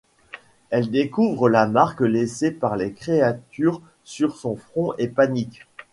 Elle découvre la marque laissée par les créatures sur son front et panique.